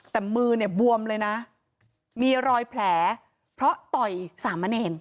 แต่มือเนี่ยบวมเลยนะมีรอยแผลเพราะต่อยสามเณร